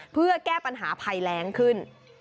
เพื่อแก้ปัญหาภัยแรงขึ้น